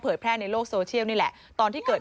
แพร่ในโลกโซเชียลนี่แหละตอนที่เกิด